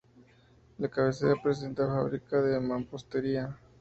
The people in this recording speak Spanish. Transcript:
La cabecera presenta fábrica de mampostería.